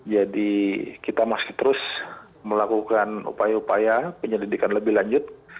jadi kita masih terus melakukan upaya upaya penyelidikan lebih lanjut